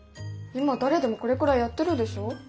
今誰でもこれくらいやってるでしょ？